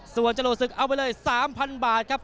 ส่วนจรวดศึกเอาไปเลย๓๐๐บาทครับ